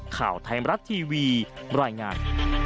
ข่าวไทยมรัฐทีวีบรรยายงาน